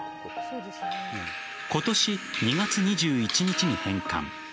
今年２月２１日に返還。